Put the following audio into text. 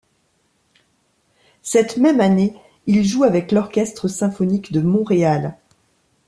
Cette même année, ils jouent avec L’Orchestre Symphonique de Montréal.